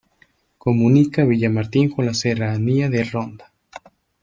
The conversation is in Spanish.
Comunica Villamartín con la Serranía de Ronda.